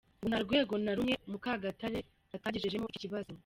Ngo nta rwego na rumwe Mukagatare atagejejemo iki kibazo.